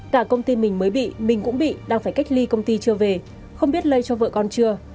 cả công ty mình mới bị mình cũng bị đang phải cách ly công ty chưa về không biết lây cho vợ con chưa